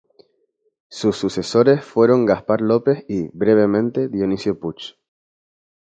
Sus sucesores fueron Gaspar López y, brevemente, Dionisio Puch.